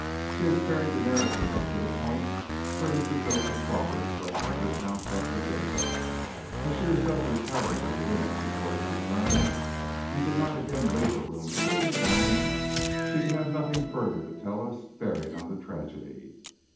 She has carried the narrative up to the point where Mr. Joseph Crawford went out of his house after dinner. As she herself retired to her room before his return, and did not again leave her room until this morning, she can have nothing further to tell us bearing on the tragedy.